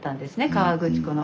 河口湖の。